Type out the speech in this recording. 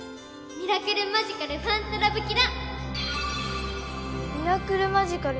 ミラクルマジカルファントラブキラ！